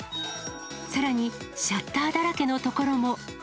さらに、シャッターだらけの所も。